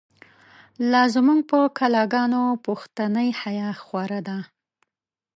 لازموږ په کلاګانو، پښتنی حیا خو ره ده